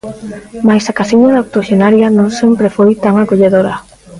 Mais a casiña da octoxenaria non sempre foi tan acolledora.